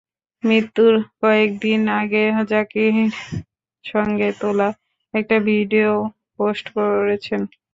মৃত্যুর কয়েক দিন আগে জ্যাকির সঙ্গে তোলা একটা ভিডিওও পোস্ট করেছেন।